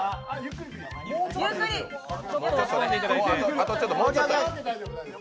あとちょっと、もうちょっとや。